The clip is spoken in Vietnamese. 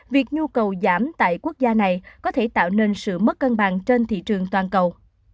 việc nhu cầu giảm tại quốc gia này có thể tạo nên sự mất cân bằng trên thị trường toàn cầu